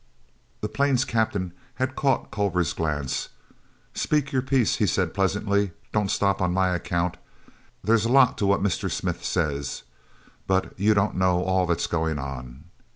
The plane's captain had caught Culver's glance. "Speak your piece," he said pleasantly. "Don't stop on my account. There's a lot to what Mr. Smith says—but you don't know all that's going on."